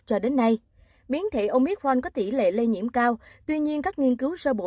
cho đến nay biến thể omicron có tỷ lệ lây nhiễm cao tuy nhiên các nghiên cứu sơ bộ